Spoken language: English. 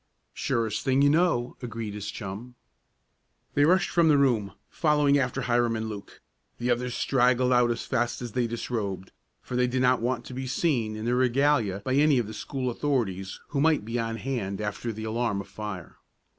"Surest thing you know," agreed his chum. They rushed from the room, following after Hiram and Luke. The others straggled out as fast as they disrobed, for they did not want to be seen in their regalia by any of the school authorities who might be on hand after the alarm of fire.